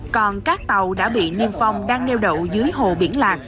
còn các tàu đã bị niêm phong đang neo đậu dưới hồ biển lạc